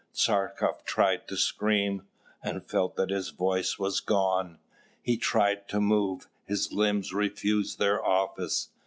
Tchartkoff tried to scream, and felt that his voice was gone; he tried to move; his limbs refused their office.